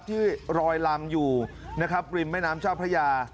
ที่รอยลำอยู่นะครับริมแม่น้ำเจ้าพระยา